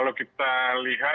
tapi kita tahu